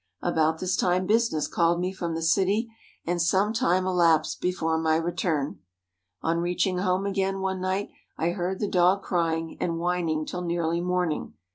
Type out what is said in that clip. About this time business called me from the city, and some time elapsed before my return. On reaching home again, one night I heard the dog crying and whining till nearly morning.